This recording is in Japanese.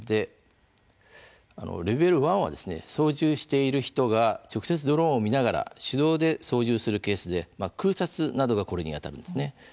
レベル１は操縦している人が直接ドローンを見ながら手動で操縦するケースで空撮などがこれにあたるんです。